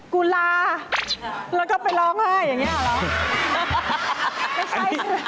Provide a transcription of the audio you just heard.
กุลาแล้วก็ไปร้องไห้อย่างนี้หรอ